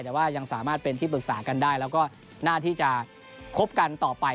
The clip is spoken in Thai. แต่ว่ายังสามารถเป็นที่ปรึกษากันได้แล้วก็น่าที่จะคบกันต่อไป